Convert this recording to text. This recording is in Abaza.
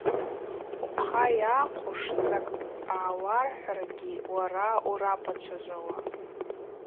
Ухъа йахъвуш закӏ гӏауархӏвыргьи уара урапачважвауа.